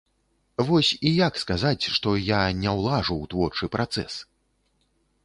Вось і як сказаць, што я не ўлажу ў творчы працэс?